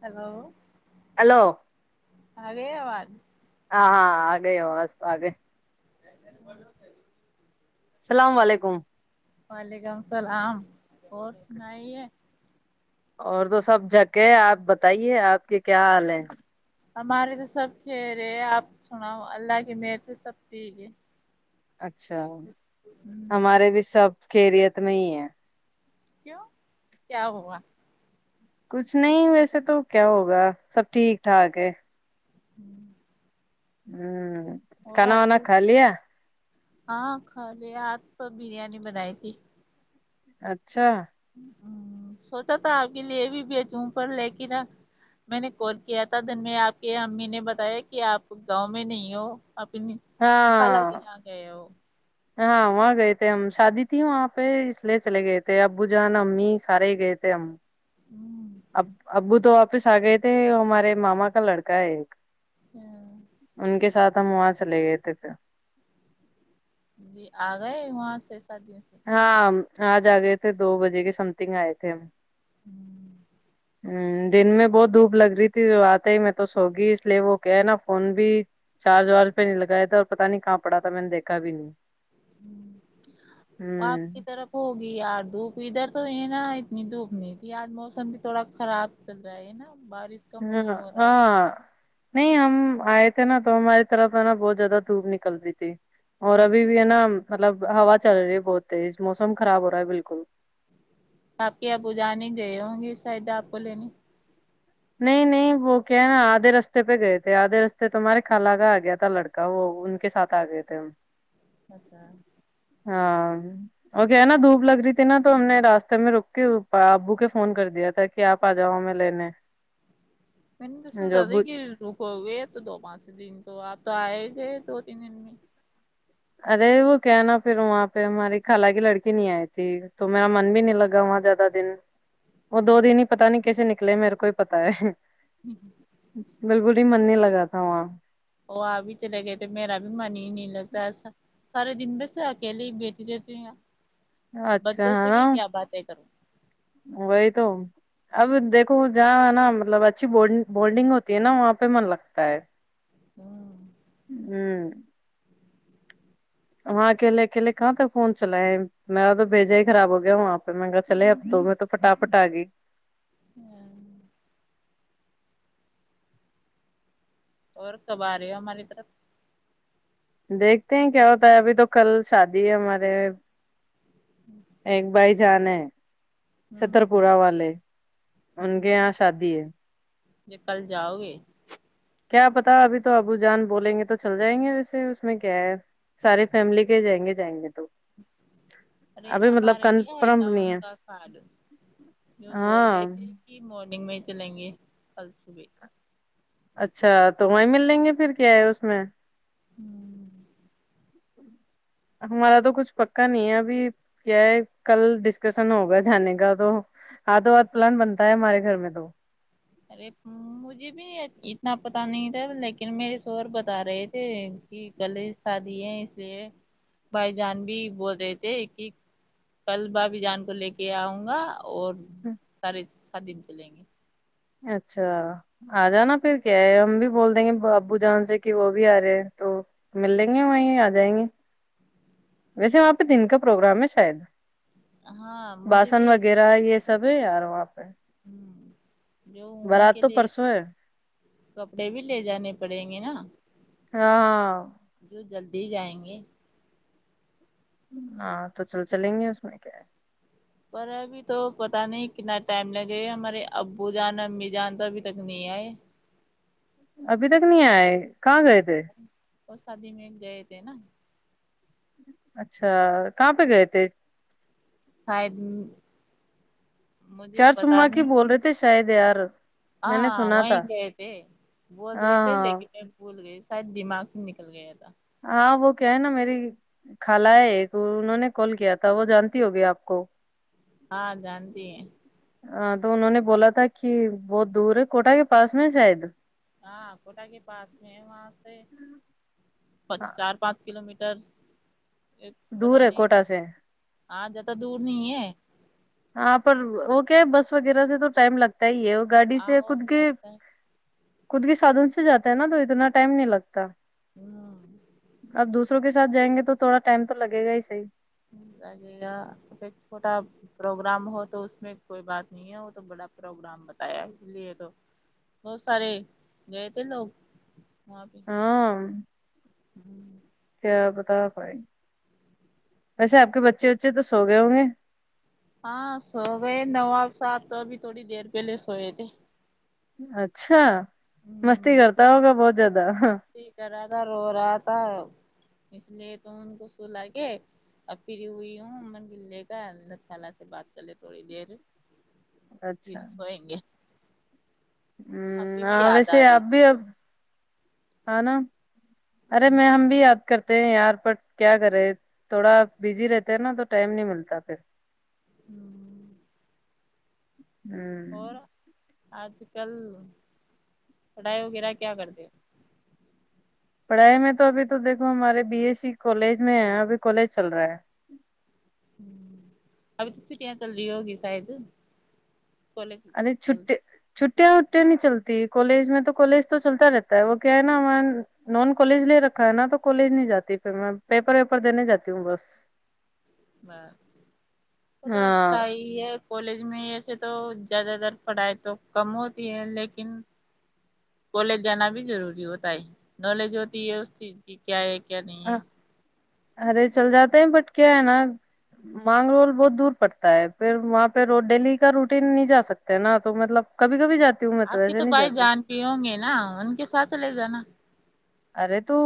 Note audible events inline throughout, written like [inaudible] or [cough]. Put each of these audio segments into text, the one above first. hello hello آ گ آواز ہاں ہاں آ گئے ہو آس تو آگئے سر ب اللام علیکم وعلیکم اللام اور سنائی ہے اور تو سب جکے ہے آپ بتائیے آپ کے کیا حال ہیں ہمارے تو سب چہرے آپ سنا اللہ کی مر سے سب ٹھیک ہے اچھا ہوں ہمارے بھی سب خریت میں ہی ہے کیوں کیا ہوا کچھ نہیں ویسے تو کیا ہوگا سب ٹھیک ٹھاک ہے ہوں ہوں اور کھنا آج ونا کل خالیا ہاں کھا ل آپ تو بریانی بنائی تھی اچھا ہ سوچا تھا آپ کے لیے بھی بیچوں پر لیکن میں نے کال کیا تھا دن میں آپ کے امی نے بتایا کہ آپ گاؤں میں نہیں ہو ا خالر کے ہاں ل گ وہ ہاں وہاں گئے تھے ہم شادی تھی وہاں پہ اس لیے چلے گئے تھے ابو جان امی سارے گئے تھے ہم ہوں اب ابو تو واپس آ گئے تھے ہمارے ماما کا لڑکا ہے ایک ہوں، ان کے ساتھ ختم وہاں چلے گئے تھے پھر جی آ گئے وہاں سے سدیوں سے [unintelligible] ہاں آج آ گئے تھے دو بجے کے سم تھنگ آئے تھے ہم ھمم ہ دن میں بہت دھوپ لگ رہی تھی وہ آتے ہی میں تو سوگی اس لیے وہ کہ ہے نا فون بھی چارج وارج پہ نہیں لگایا تھے اور پتاہ نہیں کہاں پڑا تھا میں نے دیکھا بھی نہیں ہوں [unintelligible] آپ کی طرف ہوگی آر دھوپ ادھر تو یہ نا اتنی دھوپ نہیں تھی آج موسم بھی تھوڑا خراب چل رہا ہے نا بارش کا ہاں موسم ہو رہا ہے ہاں نہیں ہم آئے تھے نا تو ہماری طرف ہے نا بہت زیادہ دھوپ نکل رہی تھی اور ابھی بھی ہے نا مطلب ہا چل رہی ہے بہت تیز موسم خراب ہو رہا ہے بالکل آپ کے آپو جانے گئے ہوں گے شائدہ آپ کو لنے نہیں نہیں وہ کیا ہے نا آدھے رستے پہ گئے تھے آدھے رستے تو ہمارے خالگہ آ گیا تھا لڑکا وہ ان کے ساتھ آ گئے تھے ہم اچھا [unintelligible] ہاں اور کیا نا دھوپ لگ رہی تھی نا تو ہم نے راستے میں رک کے ابو کے فون کر دیا تھا کہ آپ آ جاؤ میں لینے [unintelligible] میں نے جو توسوتا د ابو کہ رک ہو گئے تو دو پانچ سے دن تو آپ تو آئے ہی تھے دو تین دن میں ارے وہ کہ نا پھر وہاں پہ ہماری خال کی لڑکی نہیں آئی تھی تو میرا من بھی نہیں لگا وہاں زیادہ دن وہ دو دن ہی پتا نہیں کیسے نکل نکلے میرے کو ہی پتا ہے بالکل ہی من نہیں لگا تھا ہ وہ آ بھی چلے گئے تھ میرا بھی من ہی نہیں لگتاس سارے دن میںس اکیلے ہی بیٹٹی رہتی ہیں اچھا بچوں سے ہے بھی نا کیا باتیں کروں وہی تو اب دیکھو جہاں نا مطلب اچھی بولڈنگ ہوتی ہے نا وہاں پہ من لگتا ہے کروں ھمم [inaudible] وہاں اکیلے اکیلے کہاں تک فون چلائے میرا تو بھیجا ہی خراب ہو گیا وہاں پہ منگا چل اب تو میں تو پٹا فٹگ [unintelligible] ہاں اور کب آ رہی ہو ہماری طرف دیکھتے ہیں کیا ہوتا ہے ابھی تو کل شادی ہے ہمارے [inaudible] چترپورہ والے ان کے یہاں شادی ہے ج کل جاؤ گے کیا پتا ابھی تو ابو جان بولیں گے تو چل جائیں گے ویسے اس میں کیا ہے سارے فیملی کے جائیں گے جائیں گے تو ارے ابھی مطلب ہمارے بھی آ کنفرم تھا ان نہیں ہے کا فال جو بول رہے ہاں تھے کہ ڈگ میں ہی چلیں گے کل صبح اچھا تو وہیں مل لیں گے پھر کیا ہے اس میں ہوں ہمارا تو کچھ پکا نہیں ہے ابھی کیا ہے کل ڈسکشن ہوگا جانے کا تو ہاتھوں ہاتھ پلان بنتا ہے ہمارے گھر میں تو ارے مجھے بھی اتنا پتا نہیں تھا لیکن لن میرے شوور بتا رہے تھے کہ کل شادی ہے اس لیے بھائی جان بھی بول رہے تھے کہ کل بھابائی جان کو لے کے آؤں گا اور سارے س دن چلیں گے اچھا آ جانا پھر کیا ہے ہم بھی بول دیں گے ابو جان سے کہ وہ بھی آ رہے ہیں تو مل لیں گی وہیں جائیں گے ویسے وہاں پہ دن کا پروگرام ہے شاید ہاں مجھے باسن وغیرہ یہ سبھی یار ہ آپ ہوں بارات تو پرسوں ہے کپڑے بھی لے جانے پڑیں گے نا ہاں [unintelligible] دے جائیں گے ہاں تو چل چلیں گے اس میں کیا ہے پر ابھی تو پت نہیں کتنا ٹائم لگےا ہمارے ابو جان امی جان تو ابھی تک نہیں آئے ابھی تک نہیں آئے کہ گ تھ اور شادی میں گئے تھے نا اچھا کہاں پہ گئے تھ شاید مجھے چار پتا چما کی بول نہیں رہے تھے شاید یار میں نے ہاں سنا وہیں تھا گئے تھے بول ہاں رہے تھے ہاں لیکن میں بھول گئی شاید دماغ سے نکل گیا تھا ہاں وہ کیا ہے نا میری خال ہے ایک انہوں نے کال کیا تھا وہ جانتی ہوگی آپ کو ہاں جانتی ہیں ہاں تو انہوں نے بولا تھا کہ بہت دور ہے کوٹہ کے پاس میں شاید ہاں کوٹا کے پاس میں ہے وہاں سے چار پانچ کلو میٹر تر ایک پتا دور ہے نہیں کوٹا سے ہاں زیادہ دور نہیں ہے ہاں پر وہ کیا ہے بس وغیرہ سے تو ٹائم لگتا بت ہی ہے وہ گاڑی آ سے وہ خود تو کے لگتا ہے [unintelligible] خود کے سادن سے جاتا ہے نا تو اتنا ٹائم نہیں لگتا ہوں اب دوسروں کے [unintelligible] سھ جائیں گ تو تھواٹائم تو لگے گا ہی صحی [unintelligible] چھوٹا پروگرام ہو تو اس میں کوئی بات نہیں ہے وہ تو بڑا پروگرام بتایا اس لیے تو بہت سارے گئے تھے لوگ [unintelligible] ہاں [unintelligible] ہوں [unintelligible] بتا ویسے آپ کے بچے وچے تو سو گئے ہوں گے [unintelligible] ہاں سو گئے نو سات تو ابھی تھوڑی دیر پہلے سوئے تھے [unintelligible] اچھا [unintelligible] مستی ہوں کرتا ہوگا بہت [unintelligible] مستی کر [unintelligible] ر ر رہا تھا اس لیے تو ان کو سولا کے ا پھر ہوئی ہوں عمر گے کاھا سے بات کر لے تھوڑی دیر [unintelligible] پھر اچھا ہوائیں گے [unintelligible] ہ ابھی بھی ہاں یاد ویسے آ رہی اب تھی بھی ا بہت [unintelligible] ہ ن [unintelligible] ارے میں ہم بھی یاد کر [unintelligible] یار پر کیا کرے تھوڑا بزی رہتے ہیں نا تو ٹائم نہیں ملتا پھر ہوں ہوں آج کل پڑائی وغیرہ کیا کرتے ہو پڑھائی میں تو ابھی تو دیکو ہمارے بی ایس سی کالج میں ہے ابھی کالج چل رہا ہے ہ ابھی تو چھٹیاں چل رہی ہوگی شاید کالج چل چھٹی چ چٹیاں وٹیا نہیں چلتی کالج میں تو کالج تو چلتا رہتا ہے وہ کیا ہے نا میں نان کالج لے رکھا ہے نا تو کالج نہیں جاتی پھر میں پیپر ویپر دینے جاتی ہوں بس ب پت اچھا ہاں ہی ہے کالج میں ایسے تو زیادہ تر پڑھائی تو کم ہوتی ہے لیکن کالج جانا بھی ضروری ہوتا ہے نالج ہوتی ہے اس چیز کی کیا ہے کیا نہیں ہے ارے چل جاتے ہیں بٹ کیا ہے نا مانگ رول بہت دور پڑتا ہے پھر وہاں پہ ر ڈیلی کا روٹین نہیں جا سکتے نا تو مطلب کبھی کبھی جاتے آپ کے تو بھائی جان پ ہوں گے نا ان کے ساتھ چ لے جانا ارے تو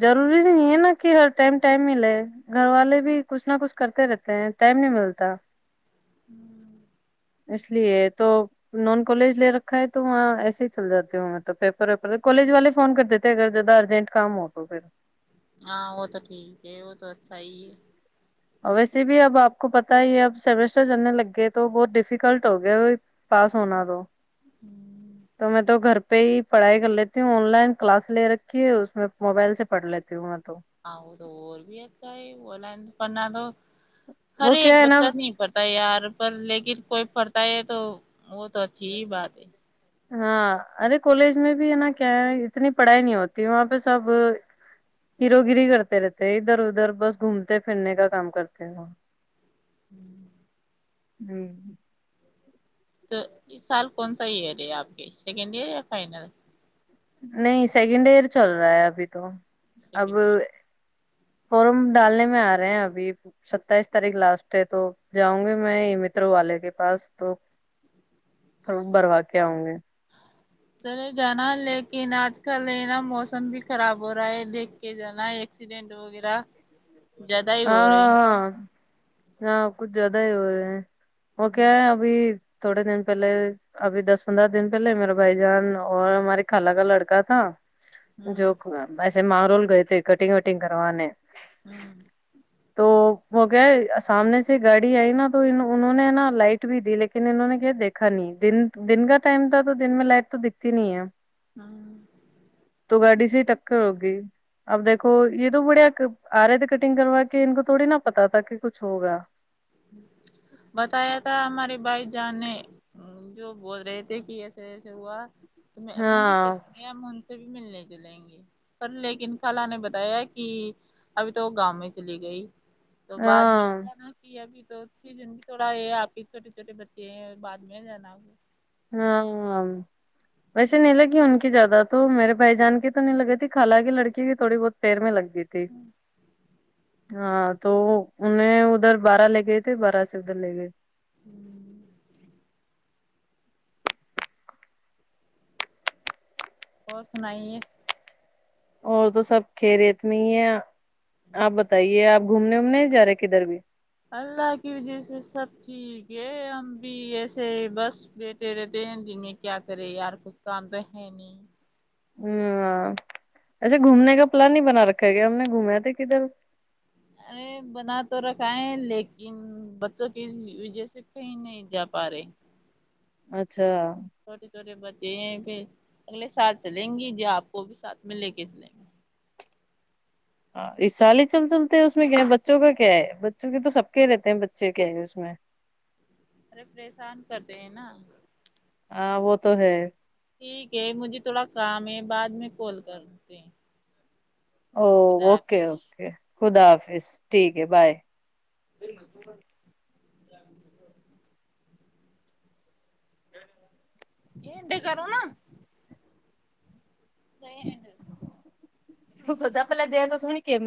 ضروری نہیں ہے نا کہ ہر ٹائم ٹائم ملے گھر والے بھی کچھ نہ کچھ کرتے رہتے ہیں ٹائم نہیں ملتا ہوں اس لیے تو نان کالج لے رکھا ہے تو وہاں ایسے ہی چل جاتے ہ مطلب پیپر ویپر کالج والے فون کر دیتے تھ اگر جد ارجنٹ کام ہو تو پھر ہاں وہ تو ٹھیک ہے وہ تو اچھا ہی ہے ویسے بھی اب آپ کو پت ہی اب سیمسٹر چلنے لگ گئے تو بہت ڈیفیکلٹ ہو گیا پاس ہونا تو تو میں تو گھر پہ ہی پڑھائی کر لیتی ہوں آن لائن کلاس لے رکھی ہے اس میں موبائل سے پڑھ لیتی ہوں تو آ تو اور بھی اتا ہی وہ لائ اپنا تو ہر وہ ایک کیا ہے نا بچہ نہیں پڑھتا یار پر لیکن کوئی پڑتا ہے تو وہ تو اچھی ہی بات ہے ہاں ارے کالج میں بھی ہے نا کیا ہے اتنی پڑھائی نہیں ہوتی وہاں پہ سب گیرو گری کرتے رہتے ہیں ادھر ادھر بس گھومتے پھرنے کا کام کرتے ہیں وہ ہوں ہوں تو اس سال کون سا ایئر ہے آپ کے سیکنڈ ایئر یا فائنل نہیں سیکنڈ ایئر چل رہا ہے ابھی تو اب سیکنڈ ایئر فارم ڈالنے میں آ رہے ہیں ابھی ستائیس تاریخ لاسٹ ہے تو جاؤں گی میں یہ مترو والے کے پاس تو بھروا کے آؤں گے چلے جانا لیک عینات کلے نہا موسم بھی خراب ہو رہا ہے دیکھ کے جانا ایکسیڈینٹ وغیرہ زیادہ ہی ہاں ہو رہے ہاں ہاں کچھ زیادہ ہی ہو رہے ہیں وہ کیا ہوں ہے ابھی تھوڑے دن پہلے ابھی دس پندرہ دن پہلے میرا بھائی جان اور ہمارے خالا کا لڑکا تھا جو ہوں کم بس م رول گئی تھی کٹگ وٹنگ کرنے ہوں تو وہ کیا سامنے سے گاڑی آئی نا تو انہوں نے نا لائٹ بھی دی لیکن انہوں نے کیا دیکھا نہیں دن دن کا ٹائم تھا تو دن میں لائٹ تو دکھتی نہیں ہے ہاں بڈی سی ٹکر ہوگی اب دیکو یہ تو بڑھیا آ رہے تھے کٹنگ کروا کے کہ ان کو تھوڑی نا پتا تھا کہ کچھ ہوگا بتایا تھا ہمارے بھائی جانے جو بول رہے تھے کہ ایسے ایسے ہوا تو میں امن بھی ہاں کرتی ہیں امن تو بھی ملنے جلیں گے لیکن خال نے بتایا کہ ابھی تو وہ گاؤں میں چلی گئی تو بعد میں ہاں ج نا ابھی تو سیزن بھی تھوڑا ہے آپ ہی چھوٹے چھوٹے بچے ہیں بعد میں جانا ہاں ویسے نہیں لگی ان کی زیادہ تو میرے بھائی جان کی تو نہیں لگے تھی خالہ کیی لڑکی کی تھوڑی بہت پیر میں لگی دیتے ہاں تو انہیں ادھر بارہ لے گئے تھے بارہ سے ادھر لے گئے ہوں اور سنائی ہے اور تو سب کھیرے اتنی ہے آپ بتائیے آپ گھومنے اومنے جا رہے کدھر بھی اللہ کی وجہ سے سب ٹھیک ہے ہم بھی ایسے بس بیٹے رہتے ہیں دن میں کیا کرے یار کچھ کام تو ہے نہیں ہ اچھا گھومنے کا پلان ہی بنا رکھا گیا ہم نے گھوما تھے کدھر اے بنا تو رکھ یں لیکن بچوں کی وجہ سے کہیں نہیں جا پا رہے اچھا چورے بچے ہیں پ اگلے سات چلیں گی ج آپ کو بھی ساتھ میں لے کے چلیں گے ہاں اس سال ہی چل چلتے ہیں اس میں کیا ہے بچوں کا کیا ہے بچوں کے تو سب کے رہتے ہیں بچے کیا ہیں اس میں ارے پریشان کرتے ہیں نا ہاں وہ تو ہے ٹھیک ہے مجھے تھوڑا کام ہے بعد میں کال کرتے او خدا اوکے حافظ اوکے خدا حظ فس ٹھیک ہے بائے ج ب [inaudible] ج [inaudible] یہ اینڈ کرو نا یہ اینڈ با پلا دیا تو سنی کے م